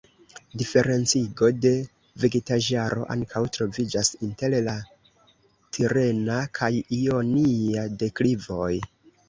Diferencigo de vegetaĵaro ankaŭ troviĝas inter la tirena kaj ionia deklivoj.